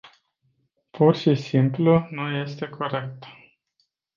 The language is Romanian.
Pur și simplu nu este corect.